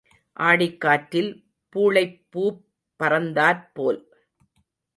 ஆடிக் காற்றில் பூளைப்பூப் பறந்தாற்போல்.